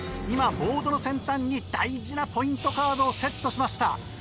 今ボードの先端に大事なポイントカードをセットしました。